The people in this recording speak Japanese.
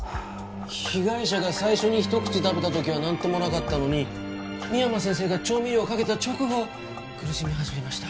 被害者が最初に一口食べたときは何ともなかったのに深山先生が調味料をかけた直後苦しみ始めました